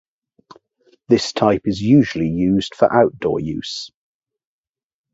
This type is usually used for outdoor use.